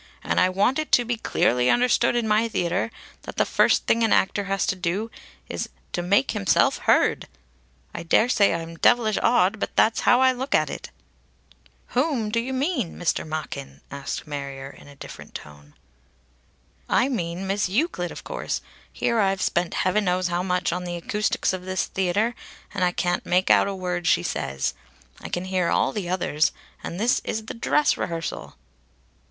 "And I want it to be clearly understood in my theatre that the first thing an actor has to do is to make himself heard. I daresay I'm devilish odd, but that's how I look at it." "Whom do you mean, Mr. Machin?" asked Marrier in a different tone. "I mean Miss Euclid of course. Here I've spent Heaven knows how much on the acoustics of this theatre, and I can't make out a word she says. I can hear all the others. And this is the dress rehearsal!"